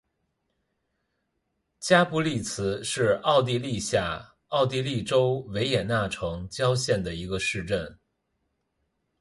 加布里茨是奥地利下奥地利州维也纳城郊县的一个市镇。